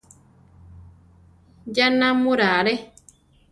Ya námura are!